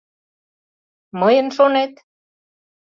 — Мыйын, шонет?